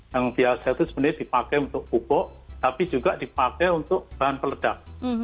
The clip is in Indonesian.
yang biasa itu sebenarnya dipakai untuk pupuk tapi juga dipakai untuk bahan peledak